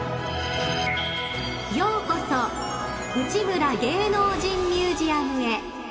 ［ようこそ内村芸能人ミュージアムへ］